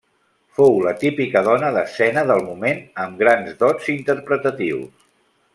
Fou la típica dona d'escena del moment amb grans dots interpretatius.